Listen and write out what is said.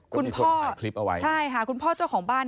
ข้างอาทิตย์คุณพ่อใช่ค่ะคุณพ่อเจ้าของบ้าน